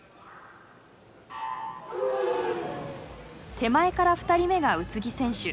手前から２人目が宇津木選手。